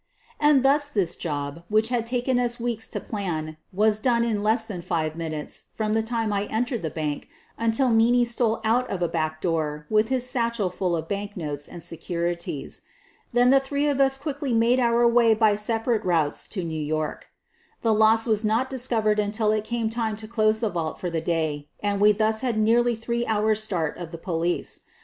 And thus this job, which had taken us weeks to plan, was done in less than five minutes from the time I entered the bank until Meaney stole out of a back door with his satchel full of bank notes and securities. Then the three of us quickly made our way by separate routes to New York. The loss was not discovered until it came time to close the vault for the day, and we thus had nearly three hours' start of the police.